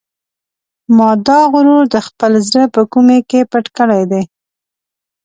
ما دا غرور د خپل زړه په کومې کې پټ کړی دی.